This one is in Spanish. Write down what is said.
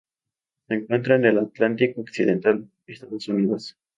Se encuentra en el Atlántico occidental: Estados Unidos.